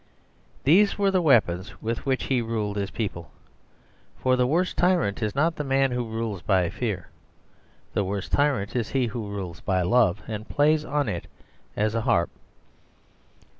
These were the weapons with which he ruled his people. For the worst tyrant is not the man who rules by fear; the worst tyrant is he who rules by love and plays on it as on a harp.